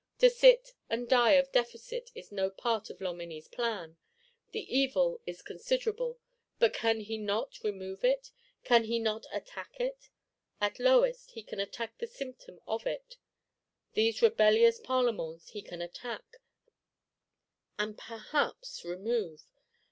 To sit and die of deficit is no part of Loménie's plan. The evil is considerable; but can he not remove it, can he not attack it? At lowest, he can attack the symptom of it: these rebellious Parlements he can attack, and perhaps remove.